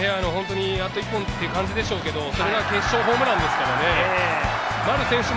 あと一本という感じでしょうけれど、決勝ホームランですから、チームとしても